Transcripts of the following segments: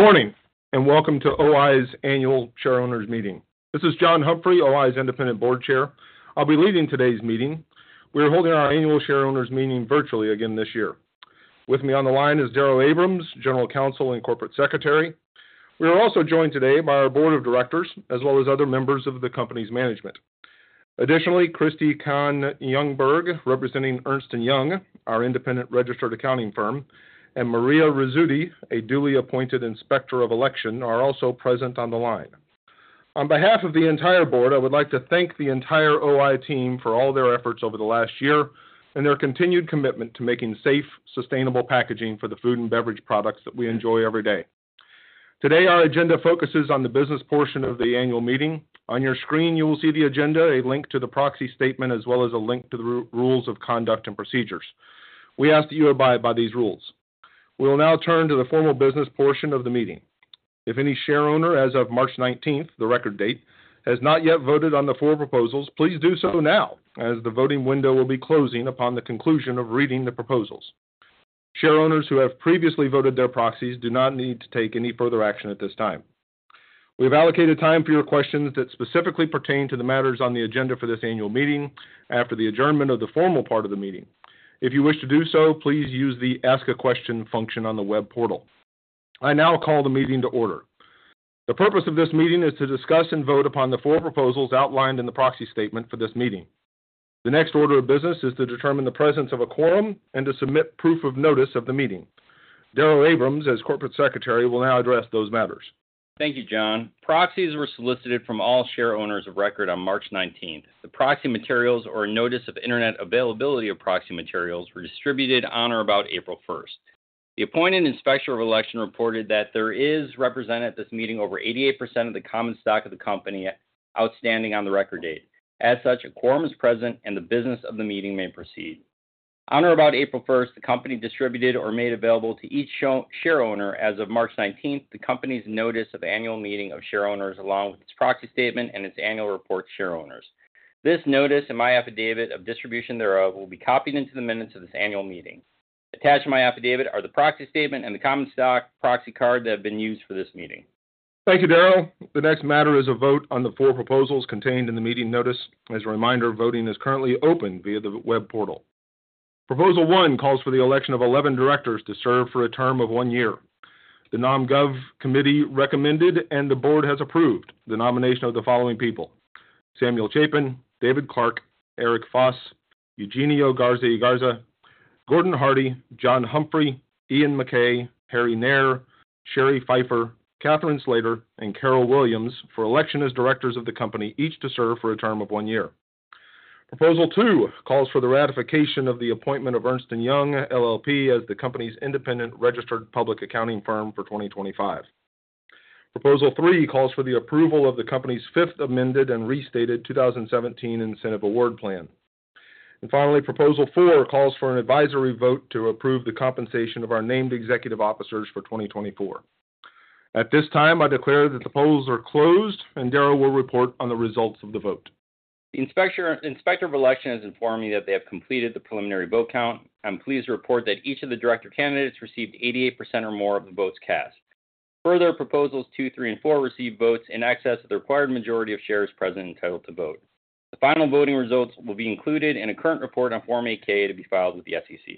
Good morning and welcome to O-I's annual shareholders meeting. This is John Humphrey, O-I's independent board chair. I'll be leading today's meeting. We are holding our annual shareholders meeting virtually again this year. With me on the line is Darrow Abrahams, General Counsel and Corporate Secretary. We are also joined today by our board of directors, as well as other members of the company's management. Additionally, Christy Kahn Jungberg, representing Ernst & Young, our independent registered accounting firm, and Maria Rizzutti, a duly appointed inspector of election, are also present on the line. On behalf of the entire board, I would like to thank the entire O-I team for all their efforts over the last year and their continued commitment to making safe, sustainable packaging for the food and beverage products that we enjoy every day. Today, our agenda focuses on the business portion of the annual meeting. On your screen, you will see the agenda, a link to the proxy statement, as well as a link to the rules of conduct and procedures. We ask that you abide by these rules. We will now turn to the formal business portion of the meeting. If any shareholder, as of March 19th, the record date, has not yet voted on the four proposals, please do so now, as the voting window will be closing upon the conclusion of reading the proposals. Shareholders who have previously voted their proxies do not need to take any further action at this time. We have allocated time for your questions that specifically pertain to the matters on the agenda for this annual meeting after the adjournment of the formal part of the meeting. If you wish to do so, please use the Ask a Question function on the web portal. I now call the meeting to order. The purpose of this meeting is to discuss and vote upon the four proposals outlined in the proxy statement for this meeting. The next order of business is to determine the presence of a quorum and to submit proof of notice of the meeting. Darrow Abrahams, as Corporate Secretary, will now address those matters. Thank you, John. Proxies were solicited from all shareholders of record on March 19th. The proxy materials or notice of internet availability of proxy materials were distributed on or about April 1st. The appointed inspector of election reported that there is represented at this meeting over 88% of the common stock of the company outstanding on the record date. As such, a quorum is present and the business of the meeting may proceed. On or about April 1st, the company distributed or made available to each shareholder, as of March 19th, the company's notice of annual meeting of shareholders, along with its proxy statement and its annual report to shareholders. This notice and my affidavit of distribution thereof will be copied into the minutes of this annual meeting. Attached to my affidavit are the proxy statement and the common stock proxy card that have been used for this meeting. Thank you, Darrow. The next matter is a vote on the four proposals contained in the meeting notice. As a reminder, voting is currently open via the web portal. Proposal one calls for the election of 11 directors to serve for a term of one year. The Non Gov Committee recommended and the board has approved the nomination of the following people: Samuel Chapin, David Clark, Eric Foss, Eugenio Garza y Garza, Gordon Hardie, John Humphrey, Iain MacKay, Hari Nair, Cheri Phyfer, Catherine Slater, and Carol Williams for election as directors of the company, each to serve for a term of one year. Proposal two calls for the ratification of the appointment of Ernst & Young LLP as the company's independent registered public accounting firm for 2025. Proposal three calls for the approval of the company's fifth amended and restated 2017 incentive award plan. Finally, proposal four calls for an advisory vote to approve the compensation of our named executive officers for 2024. At this time, I declare that the polls are closed and Darrow will report on the results of the vote. The inspector of election has informed me that they have completed the preliminary vote count. I'm pleased to report that each of the director candidates received 88% or more of the votes cast. Further, proposals two, three, and four received votes in excess of the required majority of shares present entitled to vote. The final voting results will be included in a current report on Form 8-K to be filed with the SEC.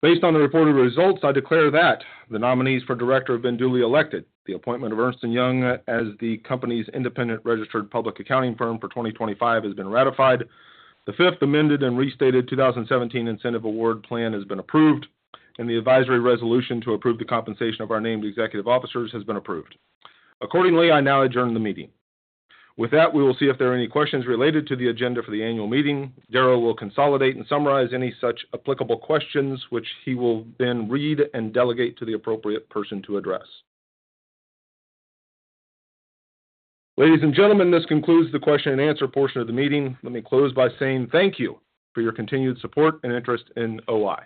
Based on the reported results, I declare that the nominees for director have been duly elected. The appointment of Ernst & Young as the company's independent registered public accounting firm for 2025 has been ratified. The fifth amended and restated 2017 incentive award plan has been approved, and the advisory resolution to approve the compensation of our named executive officers has been approved. Accordingly, I now adjourn the meeting. With that, we will see if there are any questions related to the agenda for the annual meeting. Darrow will consolidate and summarize any such applicable questions, which he will then read and delegate to the appropriate person to address. Ladies and gentlemen, this concludes the question and answer portion of the meeting. Let me close by saying thank you for your continued support and interest in O-I.